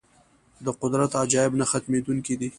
د قدرت عجایب نه ختمېدونکي دي.